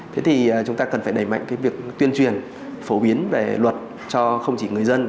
thế thì chúng ta cần phải đẩy mạnh cái việc tuyên truyền phổ biến về luật cho không chỉ người dân